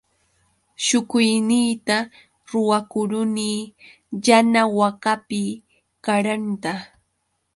Shukuyniyta ruwakuruni yana wakapi qaranta.